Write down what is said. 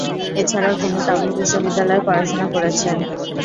এছাড়াও তিনি কাবুল বিশ্ববিদ্যালয়ে পড়াশোনা করেছেন।